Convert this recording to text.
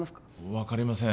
分かりません